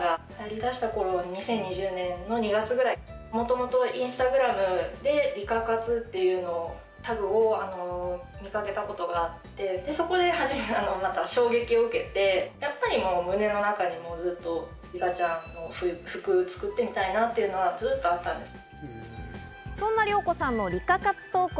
もともとインスタグラムでリカ活っていうタグを見かけたことがあって、そこで初めて衝撃を受けて、やっぱり胸の中にもずっとリカちゃんの服を作ってみたいなっていうのがずっとあったんです。